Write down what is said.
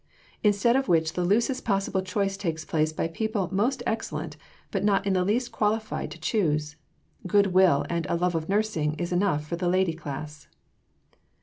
Instead of which the loosest possible choice takes place by people most excellent but not in the least qualified to choose; goodwill and a "love of nursing" is enough for the Lady class.